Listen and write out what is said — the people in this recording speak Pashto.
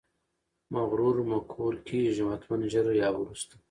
مغرور مقهور کیږي، حتمأ ژر یا وروسته!